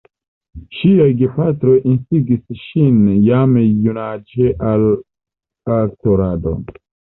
Ŝiaj gepatroj instigis ŝin jam junaĝe al aktorado.